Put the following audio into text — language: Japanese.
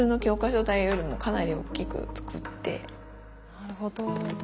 なるほど。